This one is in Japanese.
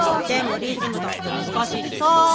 でもリズムだってむずかしいしさ。